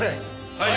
はい！